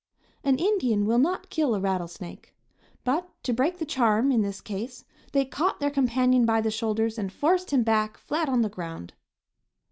An Indian will not kill a rattlesnake. But to break the charm, in this case, they caught their companion by the shoulders and forced him back flat on the ground.